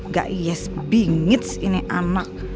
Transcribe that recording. gak yes bingit ini anak